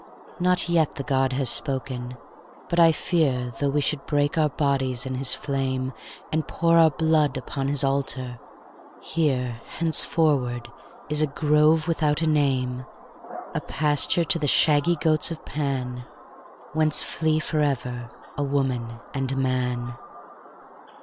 Not yet the god has spoken; but I fear Though we should break our bodies in his flame, And pour our blood upon his altar, here Henceforward is a grove without a name, A pasture to the shaggy goats of Pan, Whence flee forever a woman and a man.